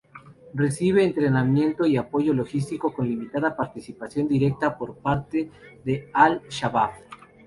Recibe entrenamiento y apoyo logístico, con limitada participación directa por parte al-Shabaab.